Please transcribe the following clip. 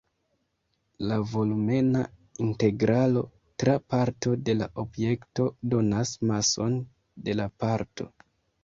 La volumena integralo tra parto de la objekto donas mason de la parto.